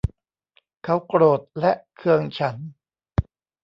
เขาโกรธและเคืองฉัน